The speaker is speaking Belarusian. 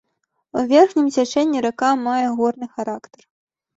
У верхнім цячэнні рака мае горны характар.